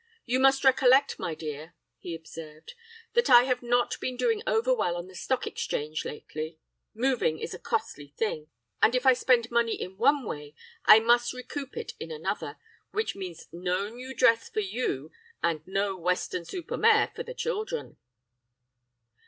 You must recollect, my dear,' he observed, 'that I have not been doing over well on the Stock Exchange lately; moving is a costly thing, and if I spend money in one way, I must recoup in another, which means no new dress for you and no Weston super Mare for the children.